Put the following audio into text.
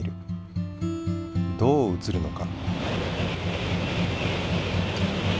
どう写るのか？